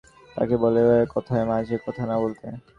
তাকে বলো এভাবে কথায় মাঝে কথা না বলতে।